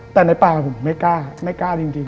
แต่ในปากผมไม่กล้าไม่กล้าจริง